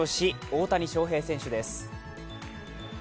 大谷翔平選手です。